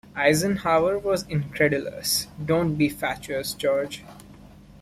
Eisenhower was incredulous: Don't be fatuous, George.